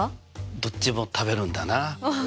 どっちも食べるんだな。